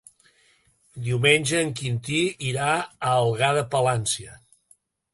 Diumenge en Quintí irà a Algar de Palància.